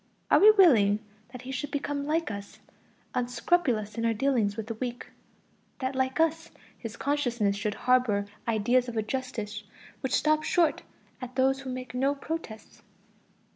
Are we willing that he should become like us, unscrupulous in our dealings with the weak? that like us, his consciousness should harbor ideas of a justice which stops short at those who make no protests?